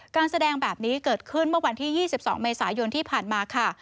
การแสดงแบบนี้เกิดขึ้นเมื่อวันที่๒๒เมษายนที่ผ่านมาค่ะ